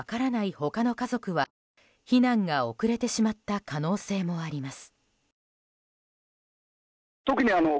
他の家族は避難が遅れてしまった可能性もあります。